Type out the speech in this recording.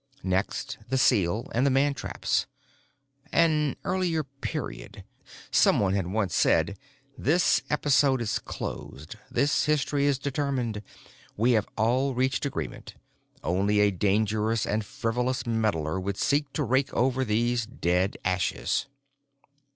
Next, the seal and the mantraps. An earlier period. Somebody had once said: "This episode is closed. This history is determined. We have all reached agreement. Only a dangerous or frivolous meddler would seek to rake over these dead ashes."